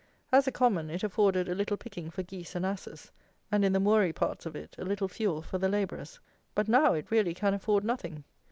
As a common it afforded a little picking for geese and asses, and in the moory parts of it, a little fuel for the labourers. But now it really can afford nothing.